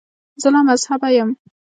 زه لامذهبه یم.